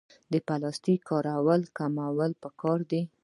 د پلاستیک کارول کمول پکار دي